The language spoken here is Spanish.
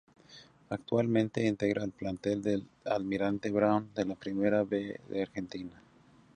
Actualmente integra el plantel de Almirante Brown, de la Primera B de Argentina.